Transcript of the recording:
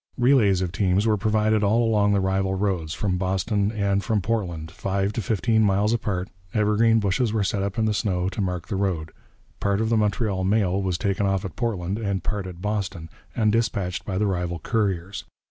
Relays of teams were provided all along the rival roads from Boston and from Portland, five to fifteen miles apart; evergreen bushes were set up in the snow to mark the road; part of the Montreal mail was taken off at Portland, and part at Boston, and dispatched by the rival couriers.